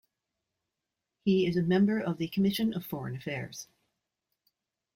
He is a member of the commission of Foreign Affairs.